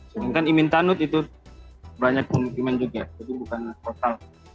sebenarnya kan imin tanut itu banyak pemukiman juga tapi bukan kota